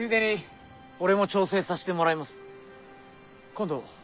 今度